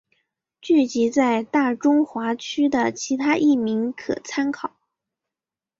剧集在大中华区的其他译名可参考。